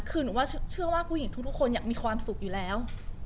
คือหนูว่าเชื่อว่าผู้หญิงทุกคนอยากมีความสุขอยู่แล้ว